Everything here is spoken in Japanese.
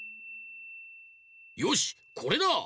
よしこれだ！